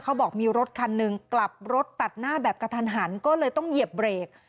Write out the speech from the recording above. เขาบอกมีรถคันหนึ่งกลับรถตัดหน้าแบบกระทันหันก็เลยต้องเหยียบเบรก